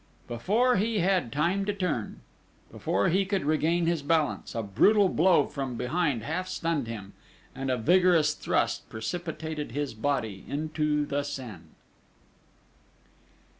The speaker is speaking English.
Before he had time to turn, before he could regain his balance, a brutal blow from behind half stunned him, and a vigorous thrust precipitated his body into the Seine.